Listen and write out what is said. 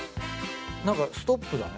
何かストップだね。